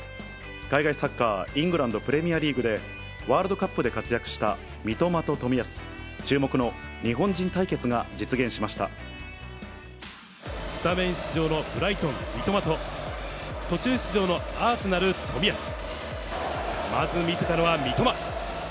海外サッカー、イングランドプレミアリーグで、ワールドカップで活躍した三笘と冨安、注目の日本人対決が実現しスタメン出場、ブライトン、三笘と、途中出場のアーセナル、冨安、まず見せたのは三笘。